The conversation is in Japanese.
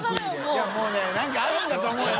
いもうね何かあるんだと思うよ。